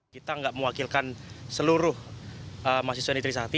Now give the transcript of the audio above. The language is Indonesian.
kita nggak mewakilkan seluruh mahasiswa di trisati